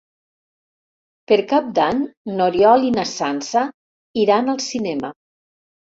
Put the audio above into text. Per Cap d'Any n'Oriol i na Sança iran al cinema.